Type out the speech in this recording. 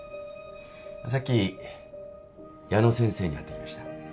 さっき矢野先生に会ってきました。